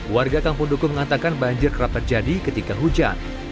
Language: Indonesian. warga kampung duku mengatakan banjir kerap terjadi ketika hujan